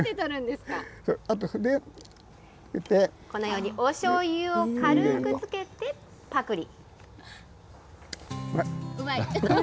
このようにおしょうゆを軽くつけて、ぱくり。